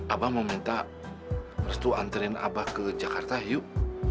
abah mau minta restu anterin abah ke jakarta yuk